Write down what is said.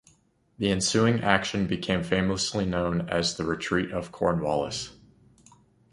The ensuing action became famously known as The Retreat of Cornwallis.